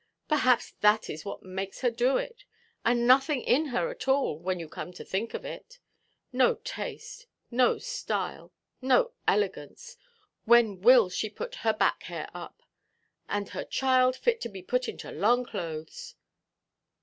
Perhaps that is what makes her do it. And nothing in her at all, when you come to think of it. No taste, no style, no elegance! When will she put her back hair up? And her child fit to put into long–clothes!